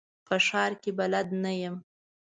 په ښار کي بلد نه یم .